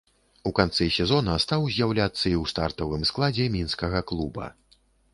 У канцы сезона стаў з'яўляцца і ў стартавым складзе мінскага клуба.